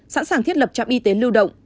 sẵn sàng thiết lập trạm y tế lưu động